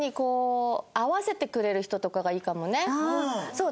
そう！